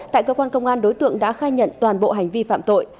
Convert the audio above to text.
tại cơ quan công an đối tượng đã khai nhận toàn bộ hành vi phạm tội